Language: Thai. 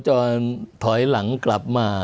จะถอยหลังกลับมา